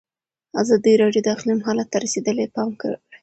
ازادي راډیو د اقلیم حالت ته رسېدلي پام کړی.